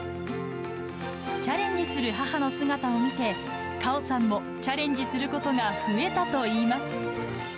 チャレンジする母の姿を見て、果緒さんもチャレンジすることが増えたといいます。